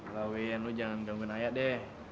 lo jangan ganggu naya deh